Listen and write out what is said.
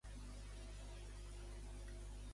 Reprodueix una altra vegada l'"APM".